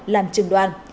làm trường đoàn